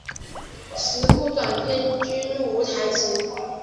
十部短片中均无台词。